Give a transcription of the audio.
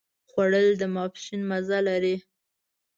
خوړل د ماسپښين مزه لري